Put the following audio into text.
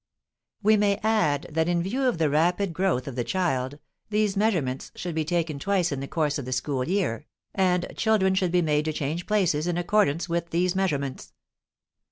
We may add that in view of the rapid growth of the child, these measurements should be taken twice in the course of the school year, and children should be made to change places in accordance with these measurements.